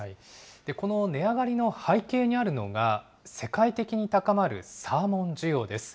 この値上がりの背景にあるのが、世界的に高まるサーモン需要です。